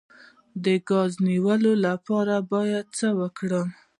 د ګاز د نیولو لپاره باید څه وکړم؟